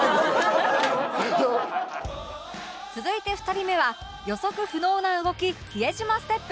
続いて２人目は予測不能な動きヒエジマステップ